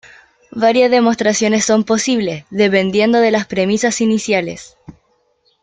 Varias demostraciones son posibles, dependiendo de las premisas iniciales.